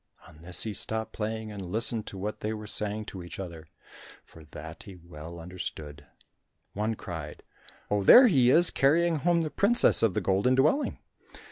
On this he stopped playing and listened to what they were saying to each other, for that he well understood. One cried, "Oh, there he is carrying home the princess of the Golden Dwelling."